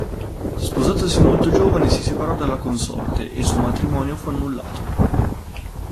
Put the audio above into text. Sposatosi molto giovane, si separò dalla consorte e il suo matrimonio fu annullato.